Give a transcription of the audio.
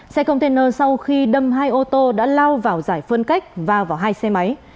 xe container sau khi đâm hai ô tô đã lao vào giải phương cách vào vào hai xe máy